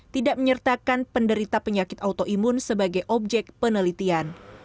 tidak menyertakan penderita penyakit autoimun sebagai objek penelitian